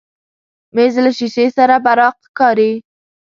مېز له شیشې سره براق ښکاري.